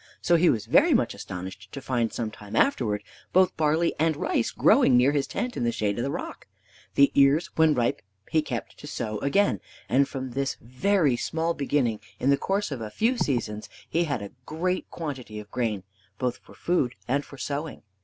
So he was very much astonished to find, some time afterwards, both barley and rice growing near his tent, in the shade of the rock. The ears, when ripe, he kept to sow again, and from this very small beginning, in the course of a few seasons, he had a great quantity of grain, both for food and for sowing.